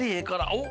おっ？